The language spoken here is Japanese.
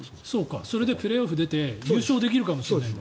それでプレーオフに出て優勝できるかもしれないんだ。